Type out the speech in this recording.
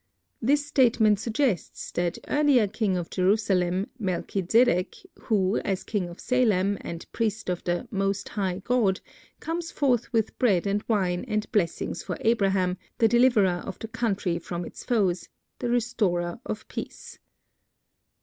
This statement suggests that earlier king of Jerusalem, Melchizedek, who, as king of Salem and priest of the "Most High God," comes forth with bread and wine and blessings for Abraham, the Deliverer of the country from its foes; the Restorer of Peace.